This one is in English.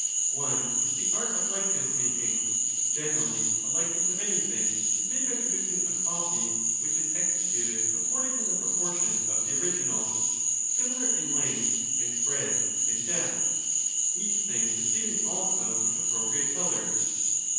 One is the art of likeness making ;— generally a like which ness of anything is made by producing a copy which is ^^"^iw executed according to the proportions of the original, similar proportions in length and breadth and depth, each thing receiving also its ®^.^^ appropriate colour.